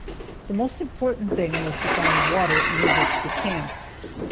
The most important thing was to find water near which to camp.